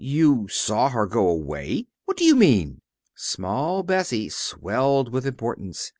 "You saw her go away! What do you mean?" Small Bessie swelled with importance.